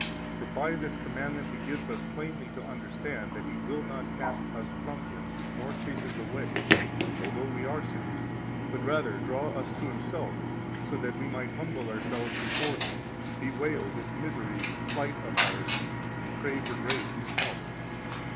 For by this commandment He gives us plainly to understand that He will not cast us from Him nor chase us away, although we are sinners, but rather draw us to Himself, so that we might humble ourselves before Him, bewail this misery and plight of ours, and pray for grace and help.